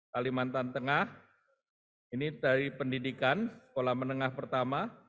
kalimantan tengah ini dari pendidikan sekolah menengah pertama